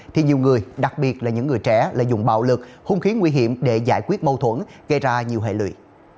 lợi dụng bạo lực hung khiến nguy hiểm để giải quyết mâu thuẫn gây ra nhiều hệ lụy